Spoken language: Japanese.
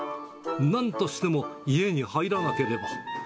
なんとしても、家に入らなければ。